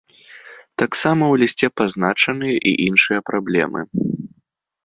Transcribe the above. Таксама ў лісце пазначаныя і іншыя праблемы.